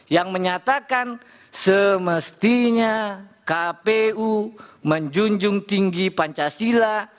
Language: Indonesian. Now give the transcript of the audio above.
yang menyatakan semestinya kpu menjunjung tinggi pancasila